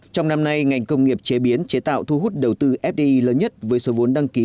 trong năm nay ngành công nghiệp chế biến chế tạo thu hút đầu tư fdi lớn nhất với số vốn đăng ký